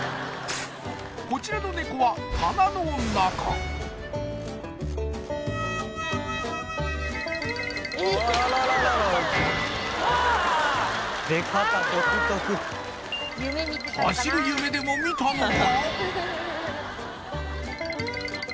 こちらのネコは出かた独特走る夢でも見たのか